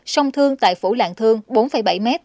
sông thương tại phủ lãng thương bốn bảy m